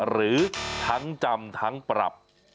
หรือทั้งจำทั้งปรับ